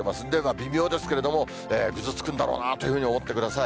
微妙ですけれども、ぐずつくんだろうなというふうに思ってください。